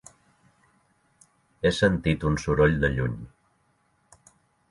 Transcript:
He sentit un soroll de lluny.